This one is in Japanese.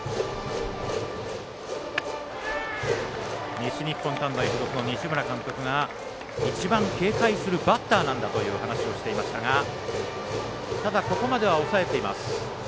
西日本短大付属の西村監督が一番、警戒するバッターなんだという話をしていましたがただ、ここまでは抑えています。